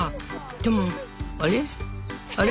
でもあれ？